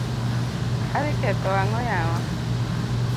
Adhi ketho ang'o yawa.